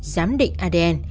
giám định adn